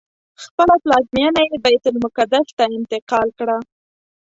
خپله پلازمینه یې بیت المقدس ته انتقال کړه.